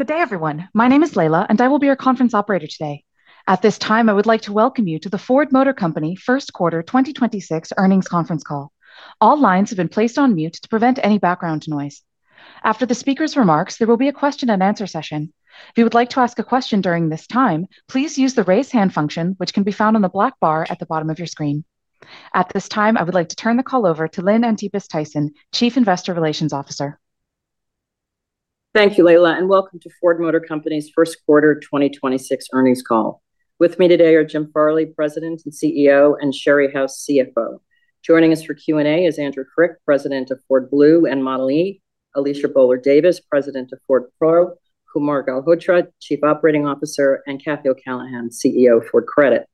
Good day, everyone. My name is Layla, and I will be your conference operator today. At this time, I would like to welcome you to the Ford Motor Company first quarter 2026 earnings conference call. All lines have been placed on mute to prevent any background noise. After the speaker's remarks, there will be a question-and-answer session. If you would like to ask a question during this time, please use the raise hand function, which can be found on the black bar at the bottom of your screen. At this time, I would like to turn the call over to Lynn Antipas Tyson, Chief Investor Relations Officer. Thank you, Layla, and welcome to Ford Motor Company's first quarter 2026 earnings call. With me today are Jim Farley, President and CEO, and Sherry House, CFO. Joining us for Q&A is Andrew Frick, President of Ford Blue and Ford Model e, Alicia Boler Davis, President of Ford Pro, Kumar Galhotra, Chief Operating Officer, and Cathy O'Callaghan, CEO, Ford Credit.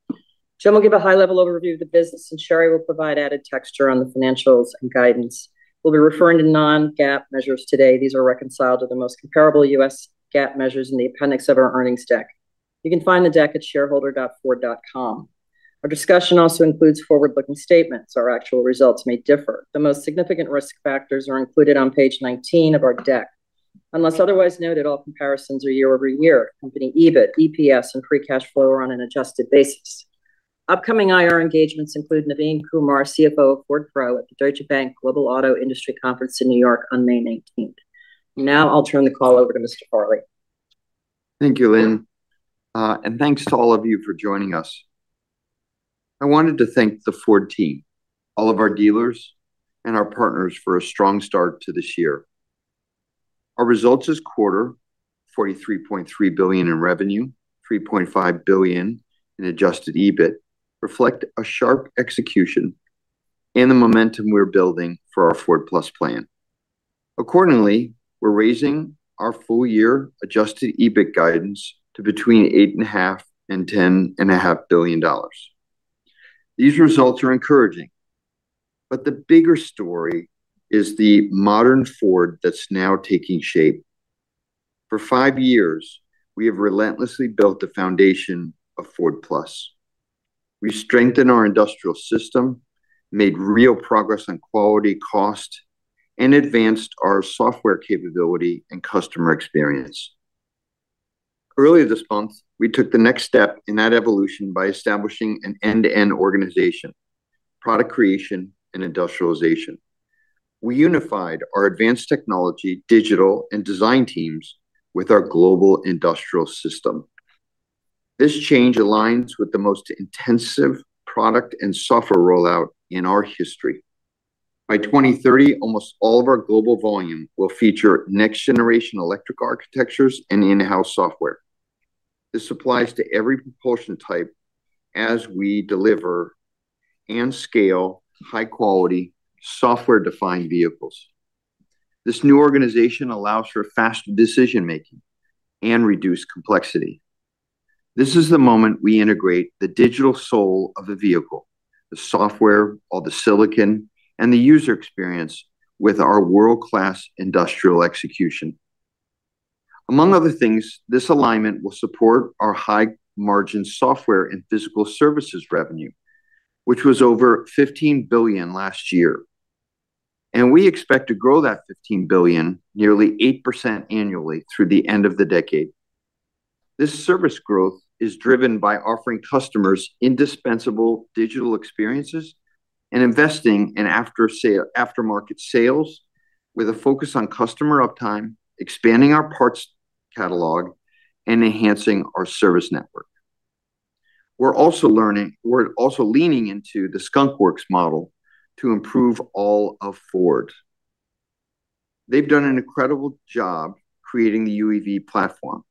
Jim will give a high-level overview of the business, and Sherry will provide added texture on the financials and guidance. We'll be referring to non-GAAP measures today. These are reconciled to the most comparable U.S. GAAP measures in the appendix of our earnings deck. You can find the deck at shareholder.ford.com. Our discussion also includes forward-looking statements. Our actual results may differ. The most significant risk factors are included on page 19 of our deck. Unless otherwise noted, all comparisons are year-over-year, company EBIT, EPS, and free cash flow are on an adjusted basis. Upcoming IR engagements include Navin Kumar, CFO of Ford Pro, at the Deutsche Bank Global Auto Industry Conference in New York on May 19th. Now I'll turn the call over to Mr. Farley. Thank you, Lynn. Thanks to all of you for joining us. I wanted to thank the Ford team, all of our dealers and our partners for a strong start to this year. Our results this quarter, $43.3 billion in revenue, $3.5 billion in adjusted EBIT, reflect a sharp execution and the momentum we're building for our Ford+ plan. Accordingly, we're raising our full-year adjusted EBIT guidance to between $8.5 billion and $10.5 billion. These results are encouraging, but the bigger story is the modern Ford that's now taking shape. For five years, we have relentlessly built the foundation of Ford+. We strengthened our industrial system, made real progress on quality cost, and advanced our software capability and customer experience. Earlier this month, we took the next step in that evolution by establishing an end-to-end organization, product creation and industrialization. We unified our advanced technology, digital, and design teams with our global industrial system. This change aligns with the most intensive product and software rollout in our history. By 2030, almost all of our global volume will feature next-generation electric architectures and in-house software. This applies to every propulsion type as we deliver and scale high-quality software-defined vehicles. This new organization allows for faster decision-making and reduced complexity. This is the moment we integrate the digital soul of the vehicle, the software or the silicon, and the user experience with our world-class industrial execution. Among other things, this alignment will support our high-margin software and physical services revenue, which was over $15 billion last year. We expect to grow that $15 billion nearly 8% annually through the end of the decade. This service growth is driven by offering customers indispensable digital experiences and investing in aftermarket sales with a focus on customer uptime, expanding our parts catalog, and enhancing our service network. We're also leaning into the Skunk Works model to improve all of Ford. They've done an incredible job creating the UEV platform,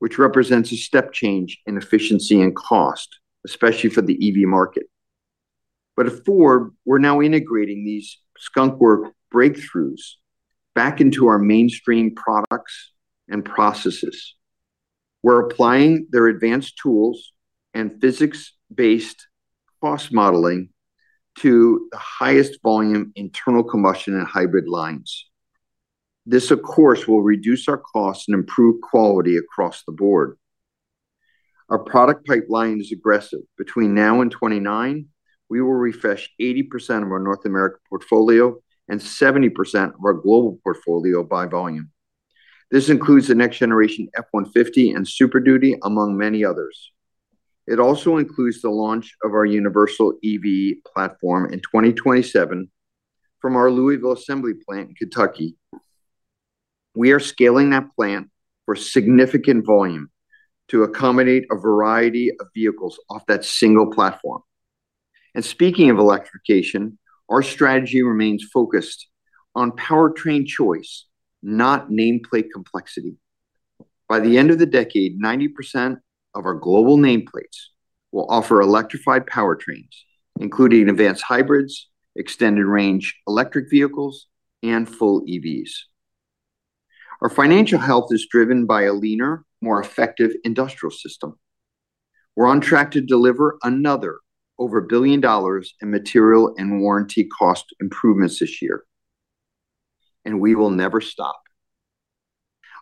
which represents a step change in efficiency and cost, especially for the EV market. At Ford, we're now integrating these Skunk Works breakthroughs back into our mainstream products and processes. We're applying their advanced tools and physics-based cost modeling to the highest volume internal combustion and hybrid lines. This, of course, will reduce our costs and improve quality across the board. Our product pipeline is aggressive. Between now and 2029, we will refresh 80% of our North American portfolio and 70% of our global portfolio by volume. This includes the next generation F-150 and Super Duty, among many others. It also includes the launch of our universal EV platform in 2027 from our Louisville Assembly Plant in Kentucky. We are scaling that plant for significant volume to accommodate a variety of vehicles off that single platform. Speaking of electrification, our strategy remains focused on powertrain choice, not nameplate complexity. By the end of the decade, 90% of our global nameplates will offer electrified powertrains, including advanced hybrids, extended range electric vehicles, and full EVs. Our financial health is driven by a leaner, more effective industrial system. We are on track to deliver another over $1 billion in material and warranty cost improvements this year. We will never stop.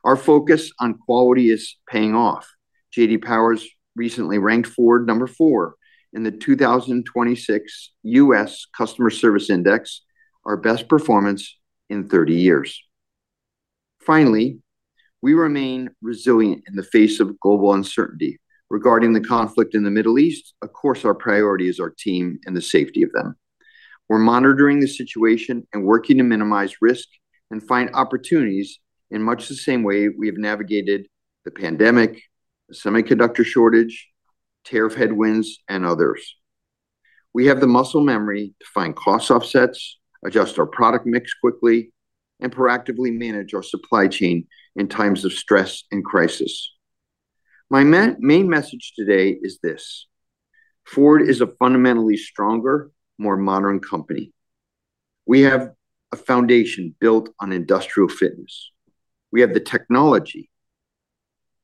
Our focus on quality is paying off. J.D. Power recently ranked Ford number four in the 2026 U.S. Customer Service Index, our best performance in 30 years. Finally, we remain resilient in the face of global uncertainty regarding the conflict in the Middle East. Of course, our priority is our team and the safety of them. We're monitoring the situation and working to minimize risk and find opportunities in much the same way we have navigated the pandemic, the semiconductor shortage, tariff headwinds, and others. We have the muscle memory to find cost offsets, adjust our product mix quickly, and proactively manage our supply chain in times of stress and crisis. My main message today is this: Ford is a fundamentally stronger, more modern company. We have a foundation built on industrial fitness. We have the technology,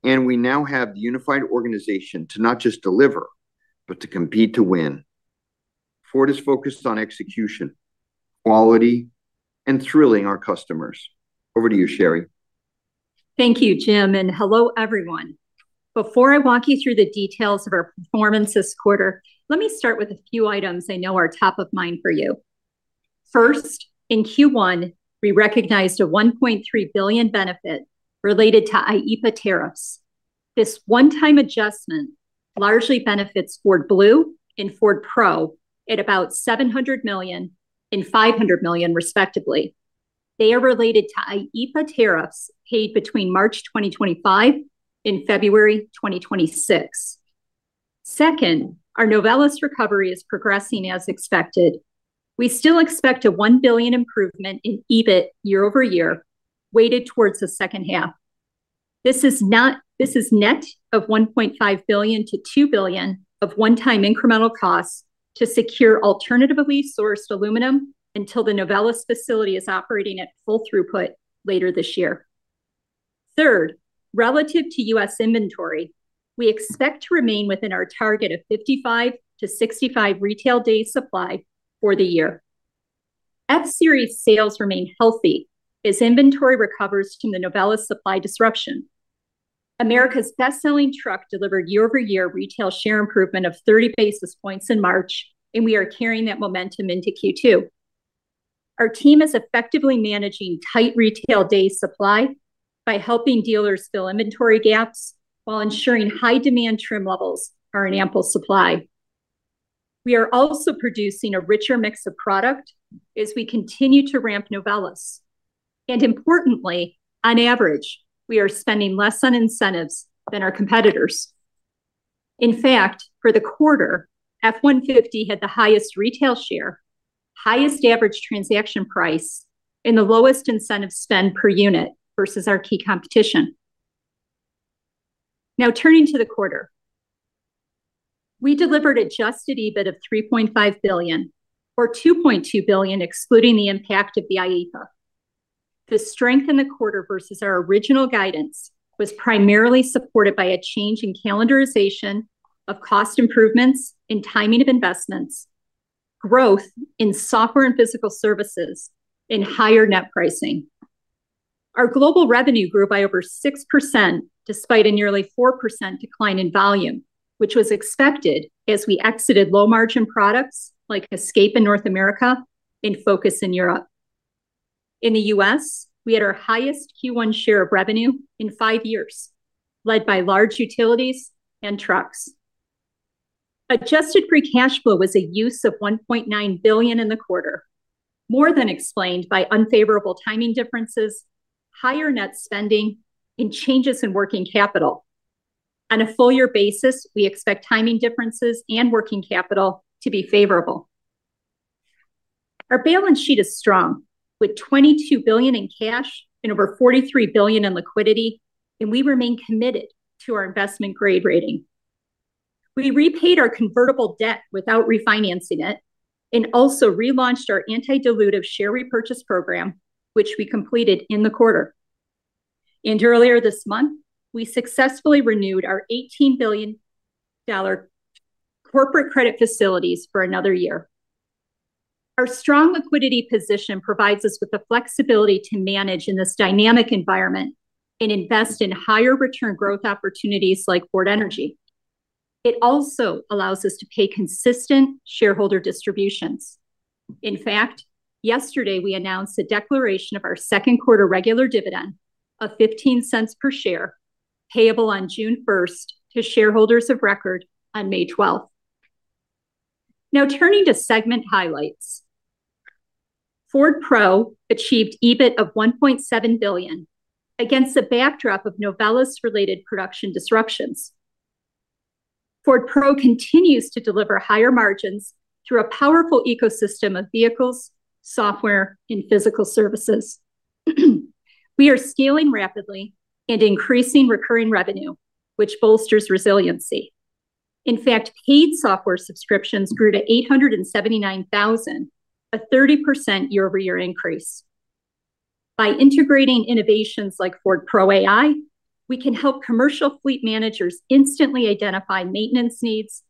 and we now have the unified organization to not just deliver but to compete to win. Ford is focused on execution, quality, and thrilling our customers. Over to you, Sherry. Thank you, Jim, and hello, everyone. Before I walk you through the details of our performance this quarter, let me start with a few items I know are top of mind for you. First, in Q1, we recognized a $1.3 billion benefit related to IEEPA tariffs. This one-time adjustment largely benefits Ford Blue and Ford Pro at about $700 million and $500 million, respectively. They are related to IEEPA tariffs paid between March 2025 and February 2026. Second, our Novelis recovery is progressing as expected. We still expect a $1 billion improvement in EBIT year-over-year, weighted towards the second half. This is net of $1.5 billion-$2 billion of one-time incremental costs to secure alternatively sourced aluminum until the Novelis facility is operating at full throughput later this year. Third, relative to U.S. inventory, we expect to remain within our target of 55-65 retail days supply for the year. F-Series sales remain healthy as inventory recovers from the Novelis supply disruption. America's best-selling truck delivered year-over-year retail share improvement of 30 basis points in March. We are carrying that momentum into Q2. Our team is effectively managing tight retail days supply by helping dealers fill inventory gaps while ensuring high-demand trim levels are in ample supply. We are also producing a richer mix of product as we continue to ramp Novelis. Importantly, on average, we are spending less on incentives than our competitors. In fact, for the quarter, F-150 had the highest retail share, highest average transaction price, and the lowest incentive spend per unit versus our key competition. Now, turning to the quarter. We delivered adjusted EBIT of $3.5 billion, or $2.2 billion excluding the impact of the IEEPA. The strength in the quarter versus our original guidance was primarily supported by a change in calendarization of cost improvements and timing of investments, growth in software and physical services, and higher net pricing. Our global revenue grew by over 6% despite a nearly 4% decline in volume, which was expected as we exited low-margin products like Escape in North America and Focus in Europe. In the U.S., we had our highest Q1 share of revenue in five years, led by large utilities and trucks. Adjusted free cash flow was a use of $1.9 billion in the quarter, more than explained by unfavorable timing differences, higher net spending, and changes in working capital. On a full-year basis, we expect timing differences and working capital to be favorable. Our balance sheet is strong, with $22 billion in cash and over $43 billion in liquidity, and we remain committed to our investment-grade rating. We repaid our convertible debt without refinancing it and also relaunched our anti-dilutive share repurchase program, which we completed in the quarter. Earlier this month, we successfully renewed our $18 billion corporate credit facilities for another year. Our strong liquidity position provides us with the flexibility to manage in this dynamic environment and invest in higher-return growth opportunities like Ford Energy. It also allows us to pay consistent shareholder distributions. In fact, yesterday, we announced a declaration of our second quarter regular dividend of $0.15 per share, payable on June first to shareholders of record on May 12th. Now turning to segment highlights. Ford Pro achieved EBIT of $1.7 billion against the backdrop of Novelis-related production disruptions. Ford Pro continues to deliver higher margins through a powerful ecosystem of vehicles, software, and physical services. We are scaling rapidly and increasing recurring revenue, which bolsters resiliency. In fact, paid software subscriptions grew to 879,000, a 30% year-over-year increase. By integrating innovations like Ford Pro AI, we can help commercial fleet managers instantly identify maintenance needs.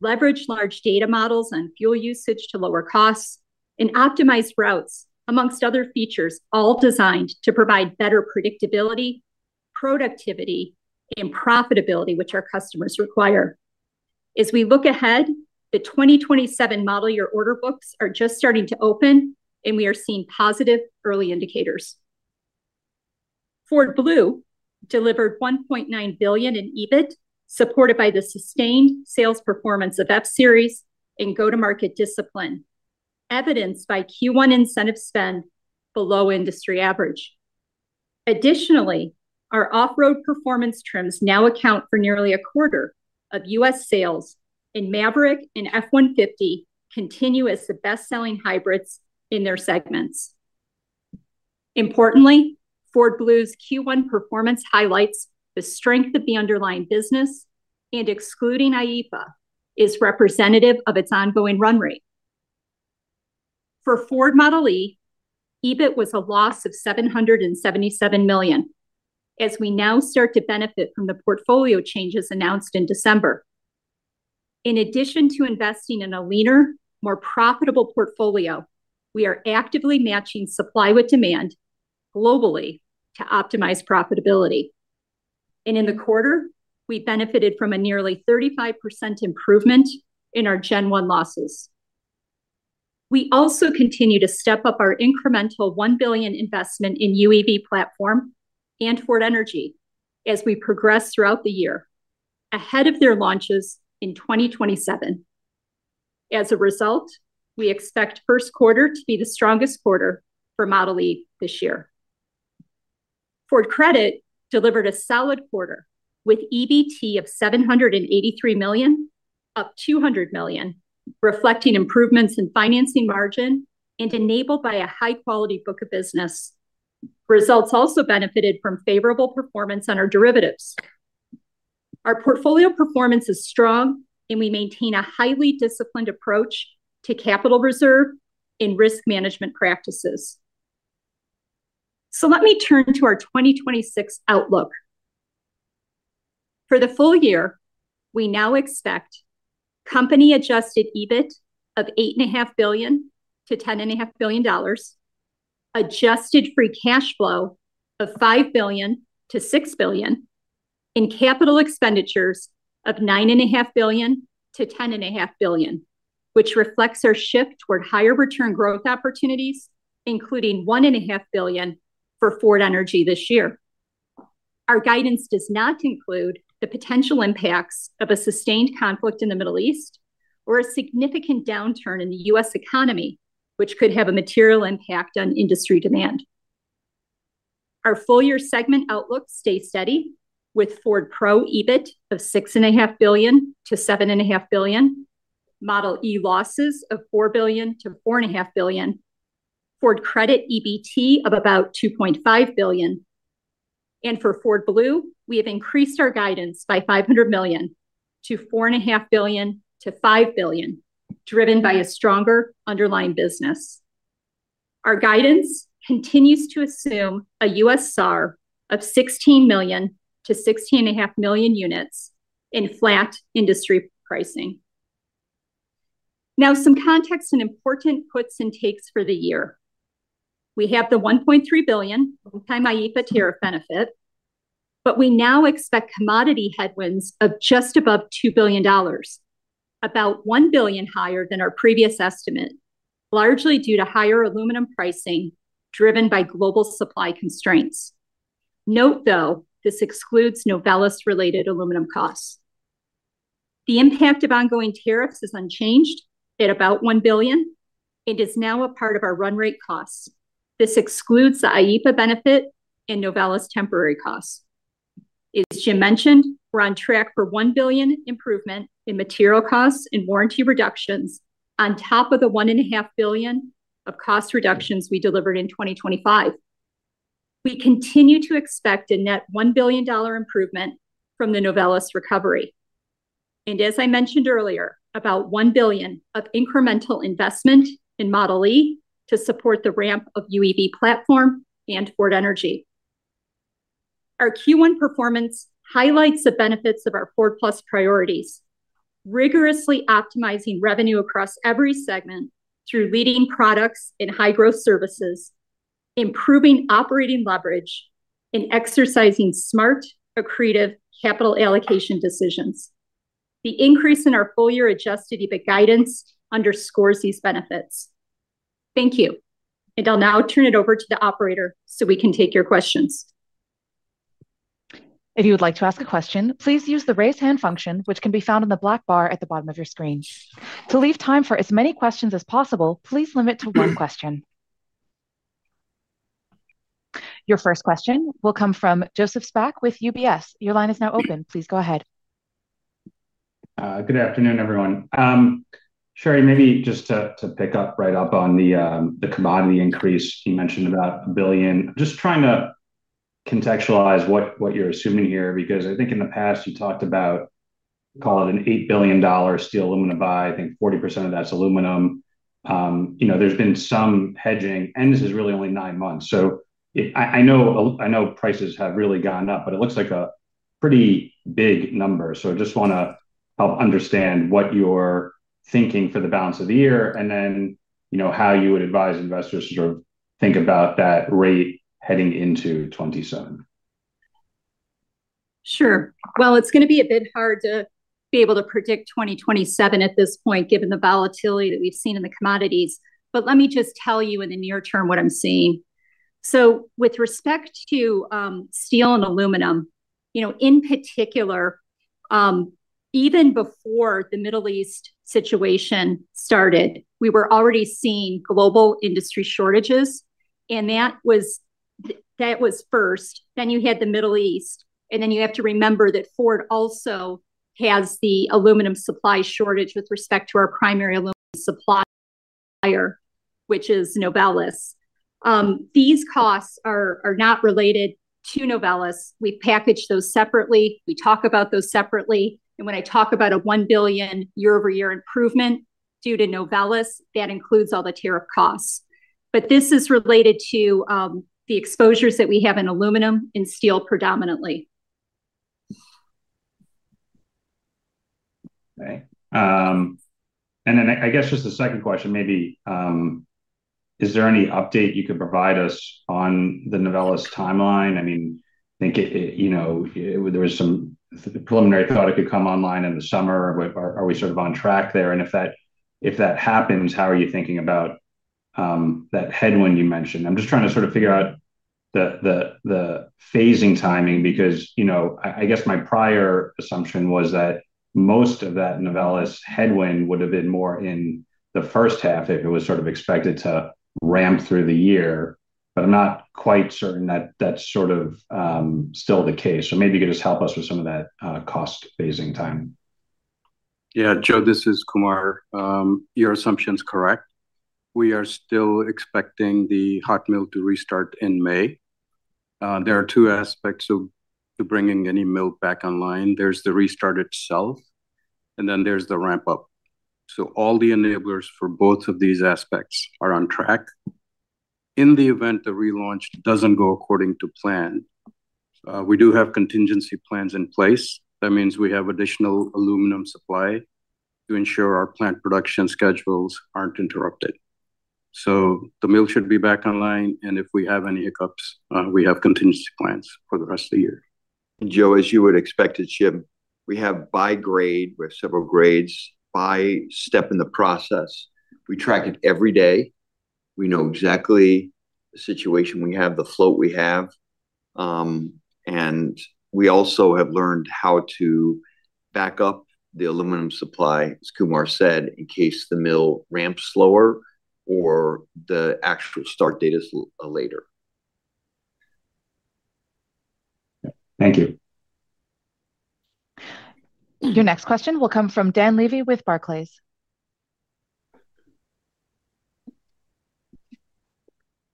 Leverage large data models and fuel usage to lower costs and optimize routes, amongst other features, all designed to provide better predictability, productivity, and profitability which our customers require. As we look ahead, the 2027 model year order books are just starting to open, and we are seeing positive early indicators. Ford Blue delivered $1.9 billion in EBIT, supported by the sustained sales performance of F-Series and go-to-market discipline, evidenced by Q1 incentive spend below industry average. Our off-road performance trims now account for nearly a quarter of U.S. sales, and Maverick and F-150 continue as the best-selling hybrids in their segments. Importantly, Ford Blue's Q1 performance highlights the strength of the underlying business, and excluding IEEPA, is representative of its ongoing run rate. For Ford Model e, EBIT was a loss of $777 million as we now start to benefit from the portfolio changes announced in December. In addition to investing in a leaner, more profitable portfolio, we are actively matching supply with demand globally to optimize profitability. In the quarter, we benefited from a nearly 35% improvement in our Gen1 losses. We also continue to step up our incremental $1 billion investment in UEV platform and Ford Energy as we progress throughout the year, ahead of their launches in 2027. We expect first quarter to be the strongest quarter for Ford Model e this year. Ford Credit delivered a solid quarter with EBT of $783 million, up $200 million, reflecting improvements in financing margin and enabled by a high-quality book of business. Results also benefited from favorable performance on our derivatives. Our portfolio performance is strong, we maintain a highly disciplined approach to capital reserve and risk management practices. Let me turn to our 2026 outlook. For the full year, we now expect company-adjusted EBIT of $8.5 billion-$10.5 billion, adjusted free cash flow of $5 billion-$6 billion, and CapEx of $9.5 billion-$10.5 billion, which reflects our shift toward higher-return growth opportunities, including $1.5 billion for Ford Energy this year. Our guidance does not include the potential impacts of a sustained conflict in the Middle East or a significant downturn in the U.S. economy, which could have a material impact on industry demand. Our full-year segment outlook stays steady with Ford Pro EBIT of $6.5 billion-$7.5 billion, Ford Model e losses of $4 billion-$4.5 billion, Ford Credit EBT of about $2.5 billion, and for Ford Blue, we have increased our guidance by $500 million to $4.5 billion-$5 billion, driven by a stronger underlying business. Our guidance continues to assume a U.S. SAR of 16 million-16.5 million units in flat industry pricing. Some context and important puts and takes for the year. We have the $1.3 billion one-time IEEPA tariff benefit. We now expect commodity headwinds of just above $2 billion, about $1 billion higher than our previous estimate, largely due to higher aluminum pricing driven by global supply constraints. Note, though, this excludes Novelis-related aluminum costs. The impact of ongoing tariffs is unchanged at about $1 billion and is now a part of our run rate costs. This excludes the IEEPA benefit and Novelis temporary costs. As Jim mentioned, we're on track for $1 billion improvement in material costs and warranty reductions on top of the $1.5 billion of cost reductions we delivered in 2025. We continue to expect a net $1 billion improvement from the Novelis recovery and, as I mentioned earlier, about $1 billion of incremental investment in Ford Model e to support the ramp of UEV platform and Ford Energy. Our Q1 performance highlights the benefits of our Ford+ priorities, rigorously optimizing revenue across every segment through leading products and high-growth services, improving operating leverage, and exercising smart, accretive capital allocation decisions. The increase in our full-year adjusted EBIT guidance underscores these benefits. Thank you. I'll now turn it over to the operator so we can take your questions. If you would like to ask a question, please use the Raise Hand function, which can be found in the black bar at the bottom of your screen. To leave time for as many questions as possible, please limit to one question. Your first question will come from Joseph Spak with UBS. Your line is now open. Please go ahead. Good afternoon, everyone. Sherry, maybe just to pick up right up on the commodity increase, you mentioned about $1 billion. Just trying to contextualize what you're assuming here, because I think in the past you talked about, call it an $8 billion steel aluminum buy. I think 40% of that's aluminum. You know, there's been some hedging, and this is really only nine months. I know prices have really gone up, but it looks like a pretty big number, so I just wanna help understand what you're thinking for the balance of the year, and then, you know, how you would advise investors to sort of think about that rate heading into 2027. Sure. It's gonna be a bit hard to be able to predict 2027 at this point given the volatility that we've seen in the commodities, but let me just tell you in the near term what I'm seeing. With respect to steel and aluminum, you know, in particular, even before the Middle East situation started, we were already seeing global industry shortages, and that was first. You had the Middle East, and then you have to remember that Ford also has the aluminum supply shortage with respect to our primary aluminum supplier, which is Novelis. These costs are not related to Novelis. We package those separately. We talk about those separately. When I talk about a $1 billion year-over-year improvement due to Novelis, that includes all the tariff costs. This is related to the exposures that we have in aluminum and steel predominantly. Okay. I guess just a second question maybe, is there any update you could provide us on the Novelis timeline? I mean, I think it, you know, there was some preliminary thought it could come online in the summer. Are we sort of on track there? If that, if that happens, how are you thinking about that headwind you mentioned? I'm just trying to sort of figure out the, the phasing timing because, you know, I guess my prior assumption was that most of that Novelis headwind would've been more in the first half if it was sort of expected to ramp through the year. I'm not quite certain that that's sort of still the case. Maybe you could just help us with some of that cost phasing time. Joe, this is Kumar. Your assumption's correct. We are still expecting the hot mill to restart in May. There are two aspects of to bringing any mill back online. There's the restart itself, and then there's the ramp up. All the enablers for both of these aspects are on track. In the event the relaunch doesn't go according to plan, we do have contingency plans in place. That means we have additional aluminum supply to ensure our plant production schedules aren't interrupted. The mill should be back online, and if we have any hiccups, we have contingency plans for the rest of the year. Joe, as you would expect at ship, we have by grade, we have several grades, by step in the process. We track it every day. We know exactly the situation we have, the float we have. We also have learned how to back up the aluminum supply, as Kumar said, in case the mill ramps slower or the actual start date is later. Thank you. Your next question will come from Dan Levy with Barclays.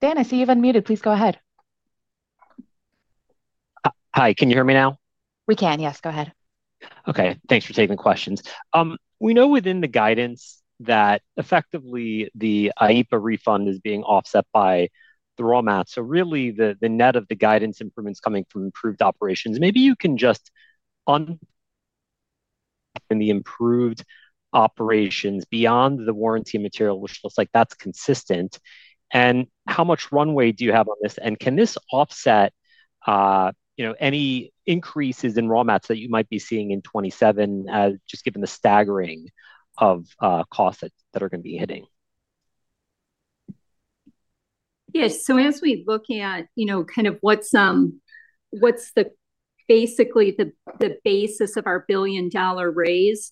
Dan, I see you have unmuted. Please go ahead. Hi, can you hear me now? We can, yes. Go ahead. Okay, thanks for taking the questions. We know within the guidance that effectively the IEEPA refund is being offset by the raw mats, so really the net of the guidance improvements coming from improved operations. The improved operations beyond the warranty material, which looks like that's consistent. How much runway do you have on this? Can this offset any increases in raw mats that you might be seeing in 2027, just given the staggering of costs that are gonna be hitting? Yes, as we look at, you know, kind of what's basically the basis of our billion-dollar raise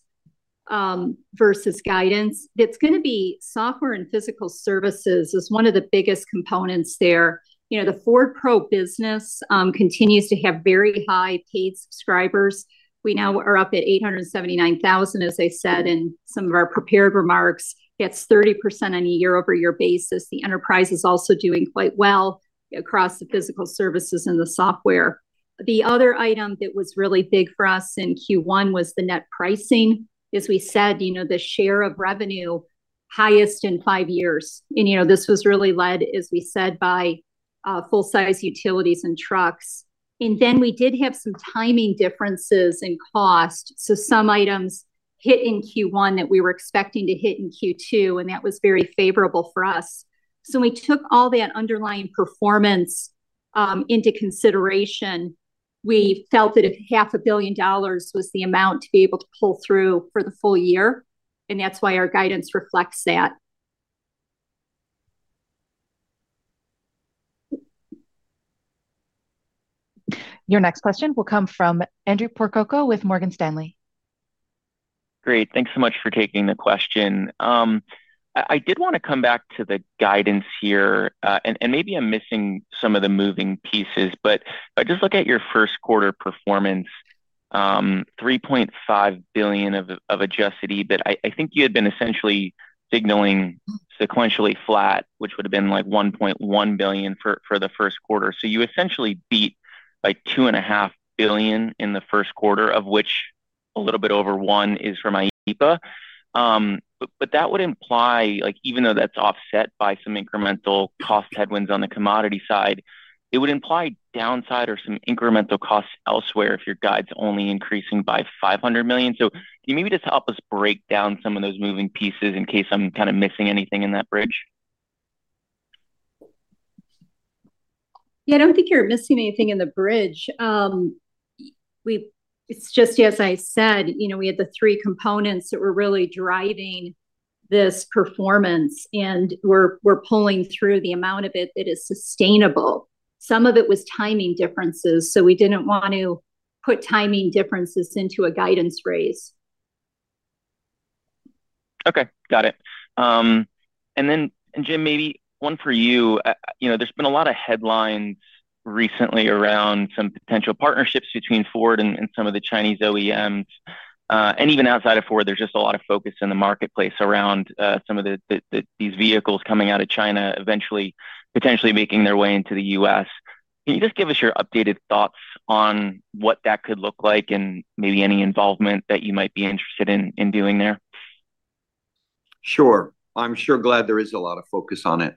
versus guidance, it's gonna be software and physical services is one of the biggest components there. You know, the Ford Pro business continues to have very high paid subscribers. We now are up at 879,000, as I said in some of our prepared remarks. That's 30% on a year-over-year basis. The enterprise is also doing quite well across the physical services and the software. The other item that was really big for us in Q1 was the net pricing. As we said, you know, the share of revenue highest in five years. You know, this was really led, as we said, by full-size utilities and trucks. We did have some timing differences in cost, so some items hit in Q1 that we were expecting to hit in Q2, and that was very favorable for us. When we took all that underlying performance into consideration, we felt that if half a billion dollars was the amount to be able to pull through for the full year, and that's why our guidance reflects that. Your next question will come from Andrew Percoco with Morgan Stanley. Great, thanks so much for taking the question. I did wanna come back to the guidance here, and maybe I'm missing some of the moving pieces, but if I just look at your first quarter performance, $3.5 billion of adjusted EBIT, I think you had been essentially signaling sequentially flat, which would've been like $1.1 billion for the first quarter. You essentially beat like $2.5 billion in the first quarter of which a little bit over $1 billion is from IEEPA. That would imply, like even though that's offset by some incremental cost headwinds on the commodity side, it would imply downside or some incremental costs elsewhere if your guide's only increasing by $500 million. Can you maybe just help us break down some of those moving pieces in case I'm kind of missing anything in that bridge? Yeah, I don't think you're missing anything in the bridge. It's just as I said, you know, we had the three components that were really driving this performance, and we're pulling through the amount of it that is sustainable. Some of it was timing differences, so we didn't want to put timing differences into a guidance raise. Okay, got it. Then, Jim, maybe one for you. You know, there's been a lot of headlines recently around some potential partnerships between Ford and some of the Chinese OEMs. Even outside of Ford, there's just a lot of focus in the marketplace around some of these vehicles coming out of China eventually potentially making their way into the U.S. Can you just give us your updated thoughts on what that could look like and maybe any involvement that you might be interested in doing there? Sure. I'm sure glad there is a lot of focus on it.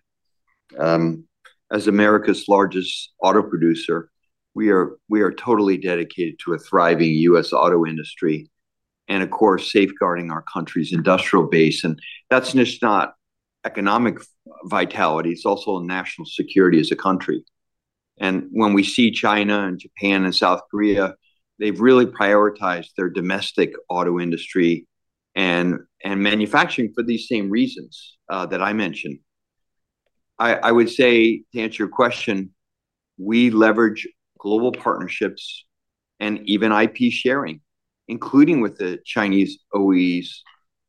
As America's largest auto producer, we are totally dedicated to a thriving U.S. auto industry and of course safeguarding our country's industrial base, and that's just not economic vitality, it's also national security as a country. When we see China and Japan and South Korea, they've really prioritized their domestic auto industry and manufacturing for these same reasons that I mentioned. I would say, to answer your question, we leverage global partnerships and even IP sharing, including with the Chinese OEs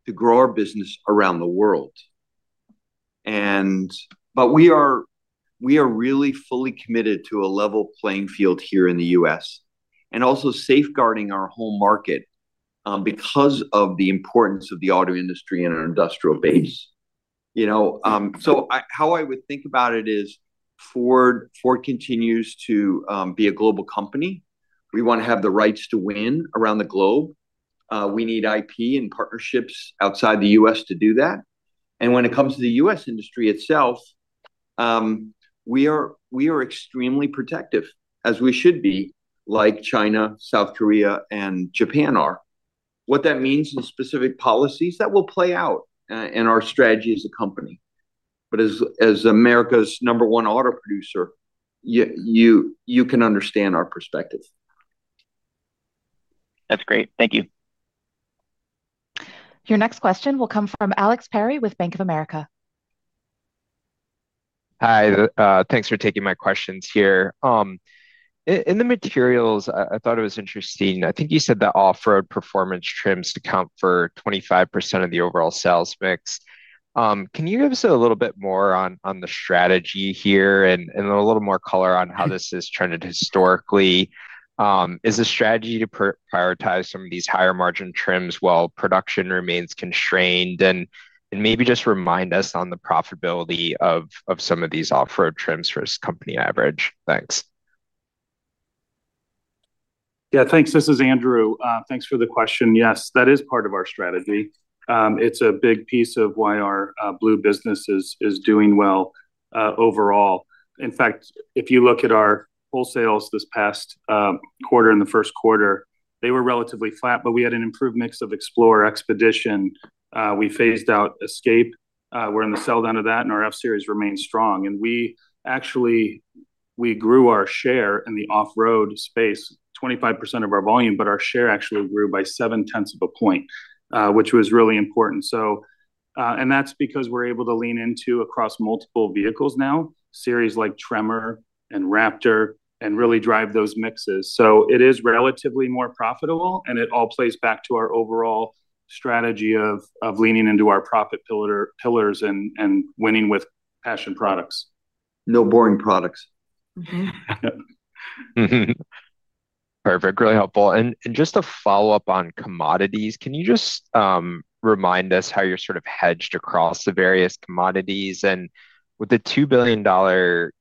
to grow our business around the world. But we are really fully committed to a level playing field here in the U.S. and also safeguarding our home market because of the importance of the auto industry and our industrial base, you know? How I would think about it is Ford continues to be a global company. We want to have the rights to win around the globe. We need IP and partnerships outside the U.S. to do that. When it comes to the U.S. industry itself, we are extremely protective, as we should be, like China, South Korea, and Japan are. What that means in specific policies, that will play out in our strategy as a company. As America's number one auto producer, you can understand our perspective. That's great. Thank you. Your next question will come from Alex Perry with Bank of America. Hi. Thanks for taking my questions here. In the materials I thought it was interesting, I think you said the off-road performance trims account for 25% of the overall sales mix. Can you give us a little bit more on the strategy here and a little more color on how this has trended historically? Is the strategy to prioritize some of these higher margin trims while production remains constrained? Maybe just remind us on the profitability of some of these off-road trims versus company average. Thanks. Thanks. This is Andrew. Thanks for the question. Yes, that is part of our strategy. It's a big piece of why our Ford Blue business is doing well overall. In fact, if you look at our wholesales this past quarter in the first quarter, they were relatively flat, but we had an improved mix of Explorer, Expedition. We phased out Escape. We're in the sell down of that, our F-Series remains strong. We actually grew our share in the off-road space 25% of our volume, but our share actually grew by 0.7 of a point, which was really important. That's because we're able to lean into across multiple vehicles now, series like Tremor and Raptor, and really drive those mixes. It is relatively more profitable, and it all plays back to our overall strategy of leaning into our profit pillars and winning with passion products. No boring products. Perfect. Really helpful. Just a follow-up on commodities, can you just remind us how you're sort of hedged across the various commodities? With the $2 billion,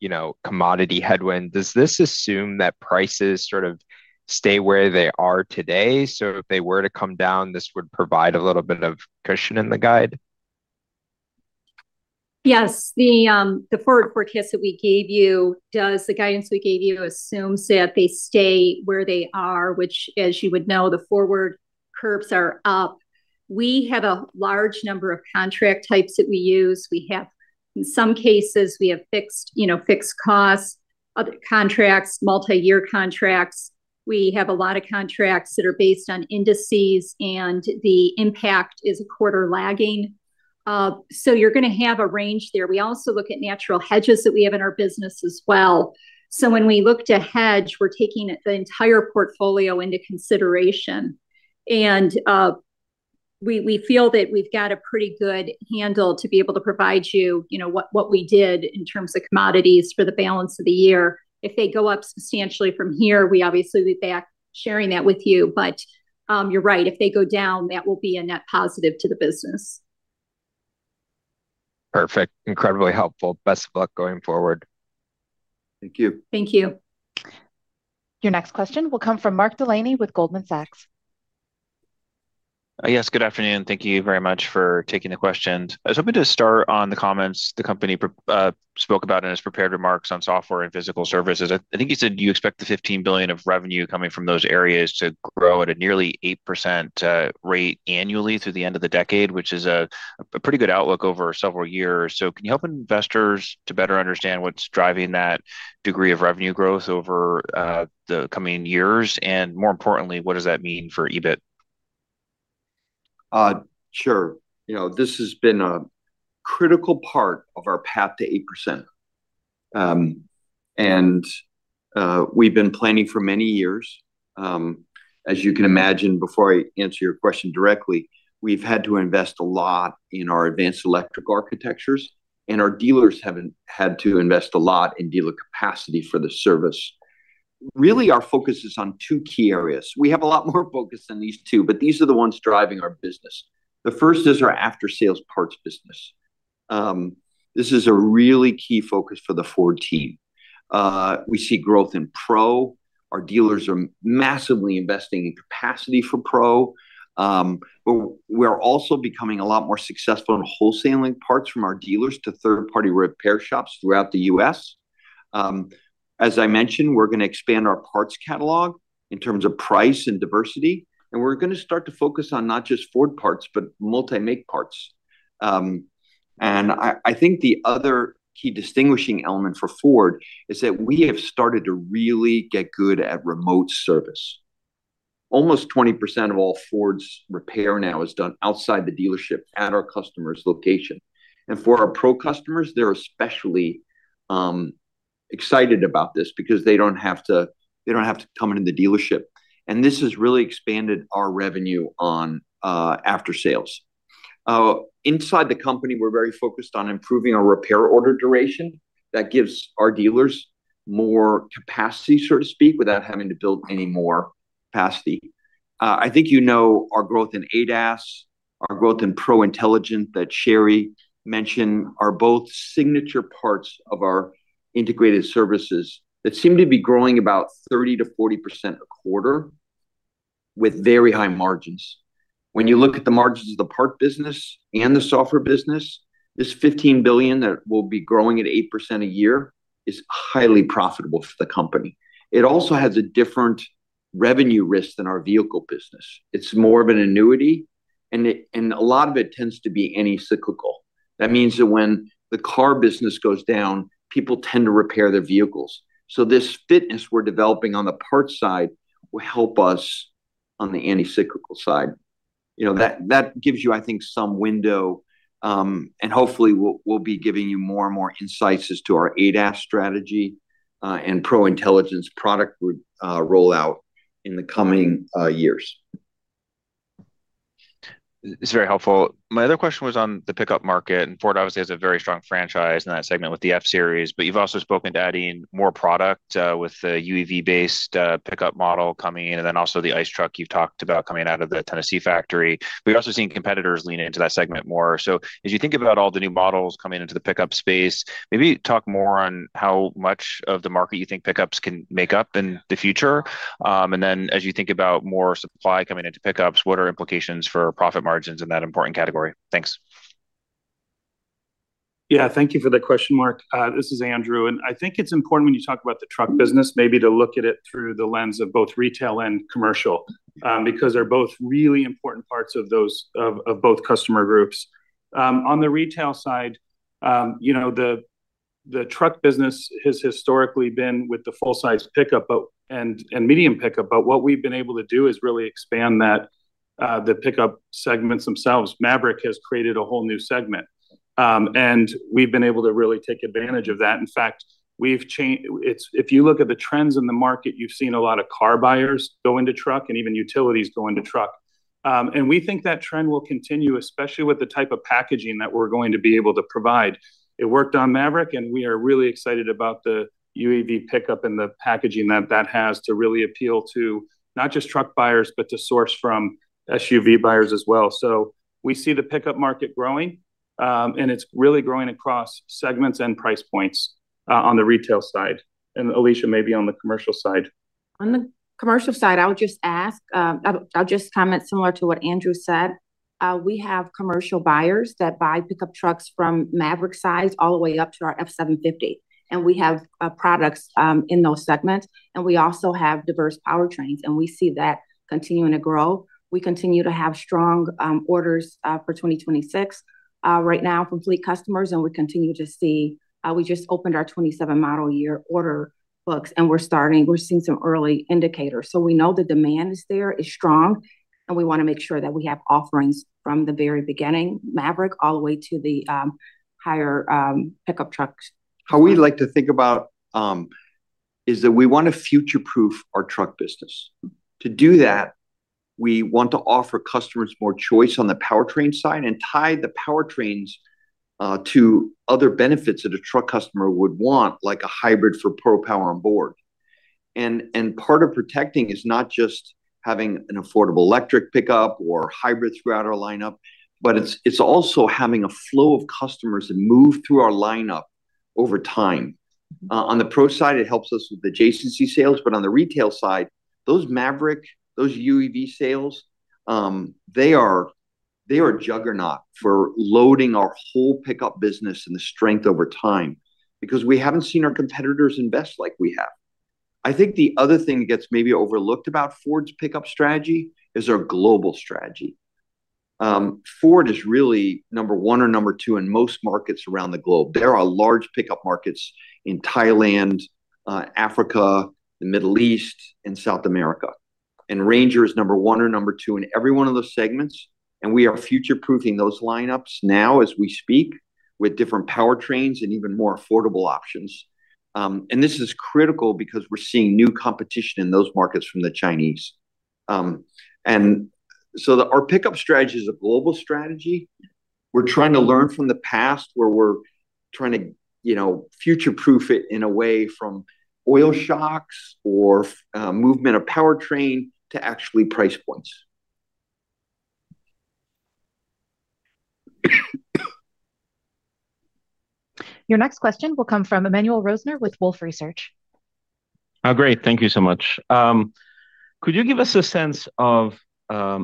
you know, commodity headwind, does this assume that prices sort of stay where they are today, so if they were to come down, this would provide a little bit of cushion in the guide? Yes. The forward forecast that we gave you, the guidance we gave you assumes that they stay where they are, which, as you would know, the forward curves are up. We have a large number of contract types that we use. We have, in some cases, we have fixed, you know, fixed costs, contracts, multi-year contracts. We have a lot of contracts that are based on indices. The impact is a quarter lagging. You're gonna have a range there. We also look at natural hedges that we have in our business as well. When we look to hedge, we're taking the entire portfolio into consideration. We feel that we've got a pretty good handle to be able to provide you know, what we did in terms of commodities for the balance of the year. If they go up substantially from here, we obviously would be back sharing that with you. You're right, if they go down, that will be a net positive to the business. Perfect. Incredibly helpful. Best of luck going forward. Thank you. Thank you. Your next question will come from Mark Delaney with Goldman Sachs. Yes, good afternoon. Thank you very much for taking the questions. I was hoping to start on the comments the company spoke about in its prepared remarks on software and physical services. I think you said you expect the $15 billion of revenue coming from those areas to grow at a nearly 8% rate annually through the end of the decade, which is a pretty good outlook over several years. Can you help investors to better understand what's driving that degree of revenue growth over the coming years? More importantly, what does that mean for EBIT? Sure. You know, this has been a critical part of our path to 8%. We've been planning for many years. As you can imagine, before I answer your question directly, we've had to invest a lot in our advanced electric architectures, and our dealers had to invest a lot in dealer capacity for the service. Really, our focus is on two key areas. We have a lot more focus than these two, but these are the ones driving our business. The first is our after sales parts business. This is a really key focus for the Ford team. We see growth in Pro. Our dealers are massively investing in capacity for Pro. We are also becoming a lot more successful in wholesaling parts from our dealers to third-party repair shops throughout the U.S. As I mentioned, we're gonna expand our parts catalog in terms of price and diversity, and we're gonna start to focus on not just Ford parts, but multi-make parts. I think the other key distinguishing element for Ford is that we have started to really get good at remote service. Almost 20% of all Ford's repair now is done outside the dealership at our customer's location. For our Ford Pro customers, they're especially excited about this because they don't have to come into the dealership, and this has really expanded our revenue on after sales. Inside the company, we're very focused on improving our repair order duration. That gives our dealers more capacity, so to speak, without having to build any more capacity. I think you know our growth in ADAS, our growth in Pro Intelligence that Sherry mentioned are both signature parts of our integrated services that seem to be growing about 30%-40% a quarter with very high margins. When you look at the margins of the part business and the software business, this $15 billion that will be growing at 8% is highly profitable for the company. It also has a different revenue risk than our vehicle business. It's more of an annuity, and a lot of it tends to be anti-cyclical. That means that when the car business goes down, people tend to repair their vehicles. So this fitness we're developing on the parts side will help us on the anti-cyclical side. You know, that gives you, I think, some window, and hopefully we'll be giving you more and more insights as to our ADAS strategy, and Pro Intelligence product rollout in the coming years. It's very helpful. My other question was on the pickup market. Ford obviously has a very strong franchise in that segment with the F-Series, but you've also spoken to adding more product with the UEV-based pickup model coming in, and then also the ICE truck you've talked about coming out of the Tennessee factory. We've also seen competitors lean into that segment more. As you think about all the new models coming into the pickup space, maybe talk more on how much of the market you think pickups can make up in the future. As you think about more supply coming into pickups, what are implications for profit margins in that important category? Thanks. Yeah, thank you for the question, Mark. This is Andrew, I think it's important when you talk about the truck business maybe to look at it through the lens of both retail and commercial, because they're both really important parts of those of both customer groups. On the retail side, you know, the truck business has historically been with the full-size pickup and medium pickup, what we've been able to do is really expand that the pickup segments themselves. Maverick has created a whole new segment. We've been able to really take advantage of that. In fact, it's, if you look at the trends in the market, you've seen a lot of car buyers go into truck and even utilities go into truck. We think that trend will continue, especially with the type of packaging that we're going to be able to provide. It worked on Maverick. We are really excited about the UEV pickup and the packaging that has to really appeal to not just truck buyers but to source from SUV buyers as well. We see the pickup market growing. It's really growing across segments and price points on the retail side. Alicia, maybe on the commercial side. On the commercial side, I would just ask, I'll just comment similar to what Andrew said. We have commercial buyers that buy pickup trucks from Maverick size all the way up to our F-750, and we have products in those segments, and we also have diverse powertrains, and we see that continuing to grow. We continue to have strong orders for 2026 right now from fleet customers, and we continue to see we just opened our 2027 model year order books, and we're seeing some early indicators. We know the demand is there, is strong, and we wanna make sure that we have offerings from the very beginning, Maverick, all the way to the higher pickup trucks. How we like to think about is that we wanna future-proof our truck business. To do that, we want to offer customers more choice on the powertrain side and tie the powertrains to other benefits that a truck customer would want, like a hybrid for Pro Power Onboard. And part of protecting is not just having an affordable electric pickup or hybrid throughout our lineup, but it's also having a flow of customers that move through our lineup over time. On the Pro side, it helps us with adjacency sales, but on the retail side, those Maverick, those UEV sales, they are a juggernaut for loading our whole pickup business and the strength over time, because we haven't seen our competitors invest like we have. I think the other thing that gets maybe overlooked about Ford's pickup strategy is their global strategy. Ford is really number one or number two in most markets around the globe. There are large pickup markets in Thailand, Africa, the Middle East, and South America, and Ranger is number one or number two in every one of those segments, and we are future-proofing those lineups now as we speak with different powertrains and even more affordable options. This is critical because we're seeing new competition in those markets from the Chinese. Our pickup strategy is a global strategy. We're trying to learn from the past where we're trying to, you know, future-proof it in a way from oil shocks or movement of powertrain to actually price points. Your next question will come from Emmanuel Rosner with Wolfe Research. Great. Thank you so much. Could you give us a sense of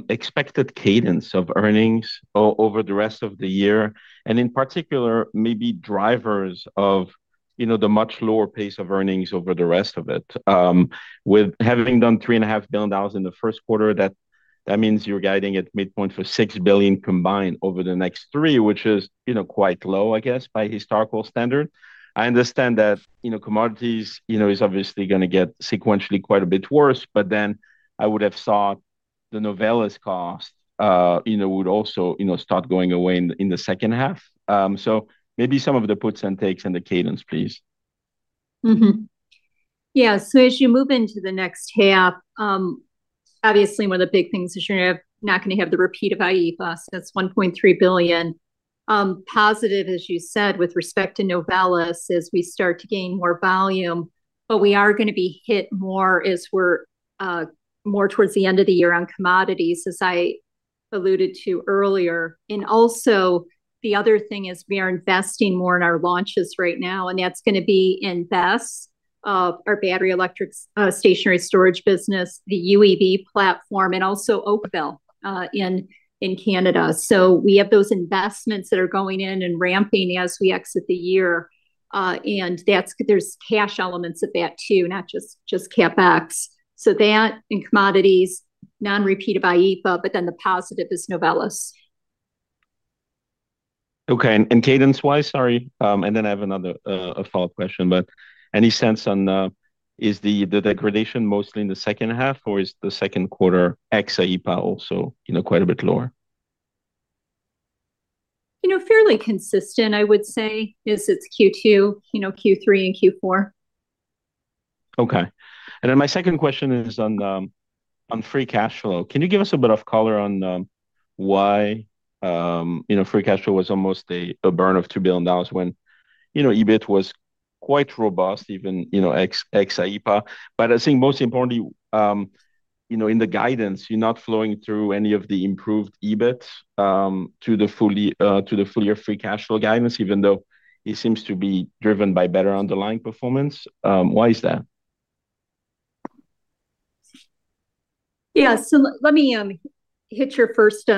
expected cadence of earnings over the rest of the year, and in particular, maybe drivers of, you know, the much lower pace of earnings over the rest of it? With having done $3.5 billion In the first quarter, that means you're guiding at midpoint for $6 billion combined over the next $3 billion, which is, you know, quite low, I guess, by historical standard. I understand that, you know, commodities, you know, is obviously gonna get sequentially quite a bit worse, I would have thought the Novelis cost, you know, would also, you know, start going away in the second half. Maybe some of the puts and takes in the cadence, please. As you move into the next half, obviously one of the big things is you're not gonna have the repeat of IEEPA, so that's $1.3 billion. Positive, as you said, with respect to Novelis as we start to gain more volume, we are gonna be hit more as we're more towards the end of the year on commodities, as I alluded to earlier. Also, the other thing is we are investing more in our launches right now, and that's gonna be in BESS, our battery electric stationary storage business, the UEV platform, and also Oakville in Canada. We have those investments that are going in and ramping as we exit the year, and there's cash elements of that too, not just CapEx. That, and commodities, non-repeat of IEEPA, but then the positive is Novelis. Okay. cadence-wise, sorry, I have another, a follow-up question. Any sense on, is the degradation mostly in the second half, or is the second quarter ex IEEPA also, you know, quite a bit lower? You know, fairly consistent, I would say. Yes, it's Q2, you know, Q3, and Q4. Okay. My second question is on free cash flow. Can you give us a bit of color on why free cash flow was almost a burn of $2 billion when EBIT was quite robust even ex IEEPA? I think most importantly, in the guidance, you're not flowing through any of the improved EBIT to the fully to the full year free cash flow guidance, even though it seems to be driven by better underlying performance. Why is that? Yeah. Let me hit your first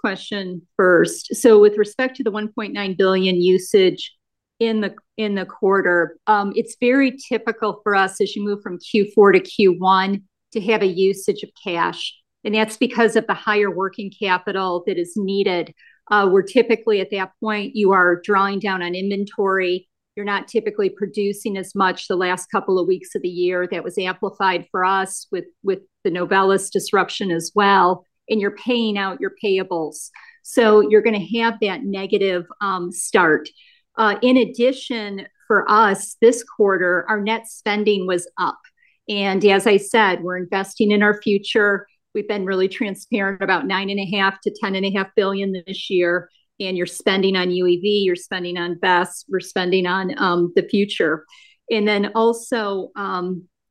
question first. With respect to the $1.9 billion usage in the quarter, it's very typical for us as you move from Q4 to Q1 to have a usage of cash, and that's because of the higher working capital that is needed. We're typically at that point, you are drawing down on inventory. You're not typically producing as much the last couple of weeks of the year. That was amplified for us with the Novelis disruption as well, and you're paying out your payables. You're gonna have that negative start. In addition, for us this quarter, our net spending was up. As I said, we're investing in our future. We've been really transparent about $9.5 billion-$10.5 billion this year. You're spending on UEV, you're spending on BESS, we're spending on the future. Also,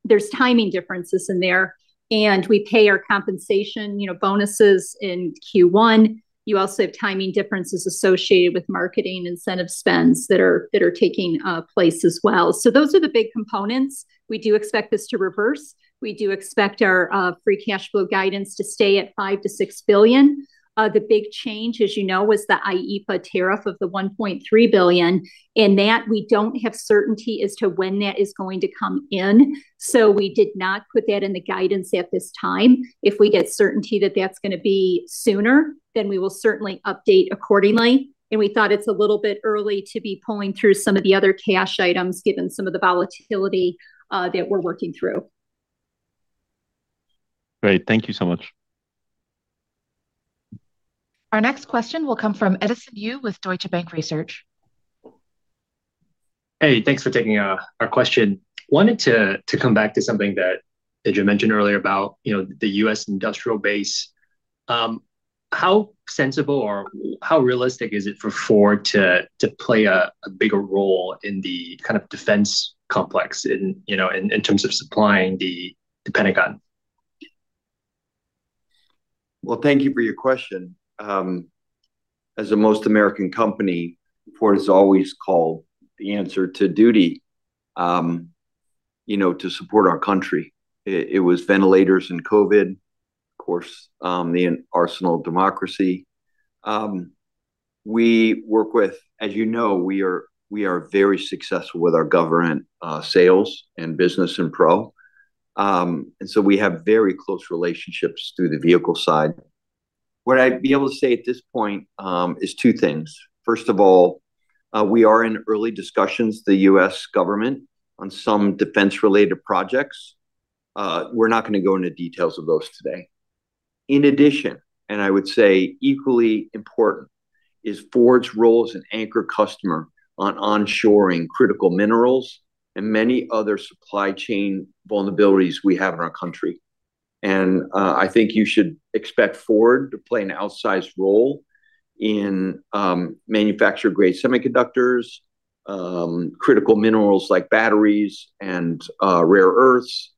there's timing differences in there, and we pay our compensation, you know, bonuses in Q1. You also have timing differences associated with marketing incentive spends that are taking place as well. Those are the big components. We do expect this to reverse. We do expect our free cash flow guidance to stay at $5 billion-$6 billion. The big change, as you know, was the IEEPA tariff of $1.3 billion. That we don't have certainty as to when that is going to come in. We did not put that in the guidance at this time. If we get certainty that that's gonna be sooner, then we will certainly update accordingly, and we thought it's a little bit early to be pulling through some of the other cash items given some of the volatility that we're working through. Great. Thank you so much. Our next question will come from Edison Yu with Deutsche Bank Research. Hey, thanks for taking our question. Wanted to come back to something that Andrew Frick mentioned earlier about, you know, the U.S. industrial base. How sensible or how realistic is it for Ford to play a bigger role in the kind of defense complex in, you know, in terms of supplying The Pentagon? Well, thank you for your question. As the most American company, Ford has always called the answer to duty, you know, to support our country. It was ventilators and COVID, of course, the arsenal of democracy. As you know, we are very successful with our government sales in business and Pro. We have very close relationships through the vehicle side. What I'd be able to say at this point is two things. First of all, we are in early discussions with the U.S. government on some defense-related projects. We're not gonna go into details of those today. In addition, and I would say equally important, is Ford's role as an anchor customer on onshoring critical minerals, and many other supply chain vulnerabilities we have in our country. I think you should expect Ford to play an outsized role in manufacture-grade semiconductors, critical minerals like batteries and rare earths.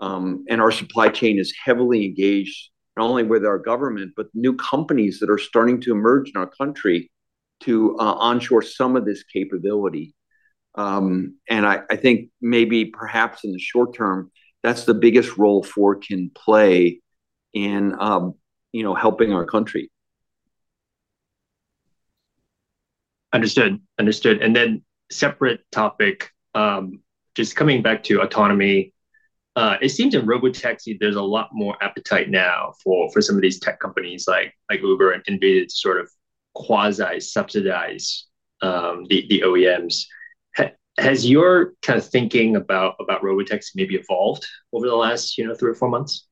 Our supply chain is heavily engaged not only with our government, but new companies that are starting to emerge in our country to onshore some of this capability. I think maybe perhaps in the short term, that's the biggest role Ford can play in, you know, helping our country. Understood. Understood. Separate topic, just coming back to autonomy, it seems in robotaxi there's a lot more appetite now for some of these tech companies like Uber and Waymo to sort of quasi subsidize the OEMs. Has your kind of thinking about robotaxis maybe evolved over the last, you know, three or four months?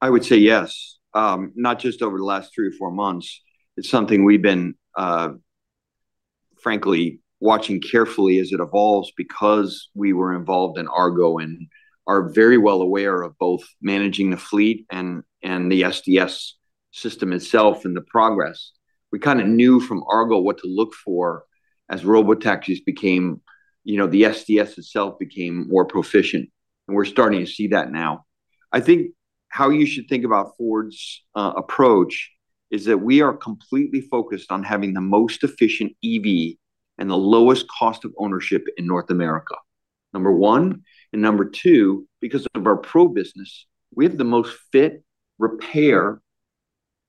I would say yes. Not just over the last three or four months, it's something we've been frankly watching carefully as it evolves because we were involved in Argo and are very well aware of both managing the fleet and the SDS system itself and the progress. We kind of knew from Argo what to look for as robotaxis became, the SDS itself became more proficient, and we're starting to see that now. I think how you should think about Ford's approach, is that we are completely focused on having the most efficient EV and the lowest cost of ownership in North America, number one. Number two, because of our Pro business, we have the most fit repair